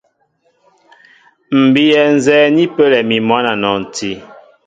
M̀ bíyɛ nzɛ́ɛ́ ni pəlɛ mi mwǎn a nɔnti.